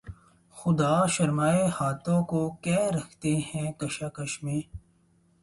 خدا شرمائے ہاتھوں کو کہ رکھتے ہیں کشاکش میں